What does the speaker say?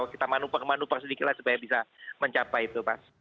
kita manuper manuper sedikit lah supaya bisa mencapai itu pak